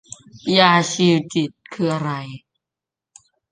ยาชีวจิตคืออะไร